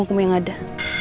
hukum hukum yang ada